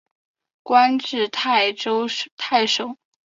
官至泰州太守。